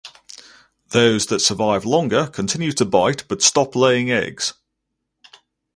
Those that survive longer continue to bite but stop laying eggs.